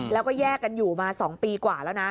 แล้วก็แยกกันอยู่มา๒ปีกว่าแล้วนะ